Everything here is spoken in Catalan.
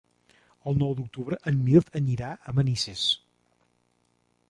El nou d'octubre en Mirt anirà a Manises.